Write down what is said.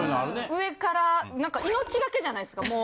上からなんか命がけじゃないですか。